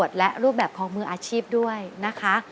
และรูปแบบของมืออาชีพด้วยนะคะ